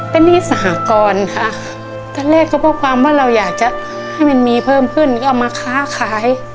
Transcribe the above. เป็นหนี้สหกรณ์ค่ะตอนแรกก็เพราะความว่าเราอยากจะให้มันมีเพิ่มขึ้นก็เอามาค้าขาย